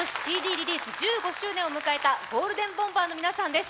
リリース１５周年を迎えたゴールデンボンバーの皆さんです。